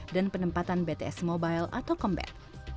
dan penempatan bts mobile atau combat